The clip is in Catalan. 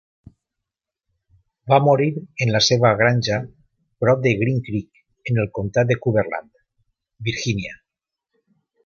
Va morir en la seva granja prop de Green Creek en el comtat de Cumberland, Virginia.